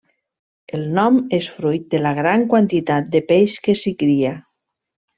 El nom és fruit de la gran quantitat de peix que s'hi cria.